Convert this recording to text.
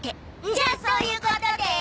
じゃあそうゆうことで！